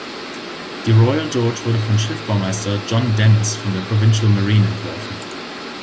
Die Royal George wurde von Schiffbaumeister John Dennis von der Provincial Marine entworfen.